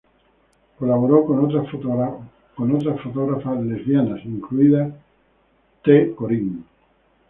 Colaboró con otras fotógrafas lesbianas, incluida Tee Corinne.